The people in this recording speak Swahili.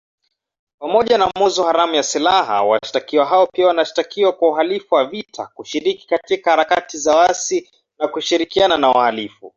Pamoja na mauzo haramu ya silaha, washtakiwa hao pia wanashtakiwa kwa uhalifu wa vita, kushiriki katika harakati za uasi na kushirikiana na wahalifu.